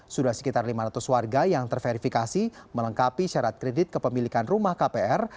sudah sekitar lima ratus warga yang terverifikasi melengkapi syarat kredit kepemilikan rumah kpr